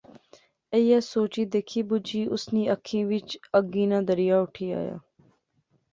ایہہ سوچی، دیکھی، بجی اس نیں اکھی وچ اگی ناں دریا اٹھی آیا